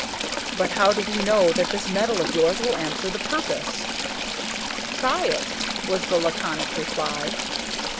"But how do we know that this metal of yours will answer the purpose?" "Try it," was the laconic reply.